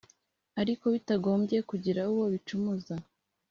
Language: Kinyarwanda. ariko bitagombye kugira uwo bicumuza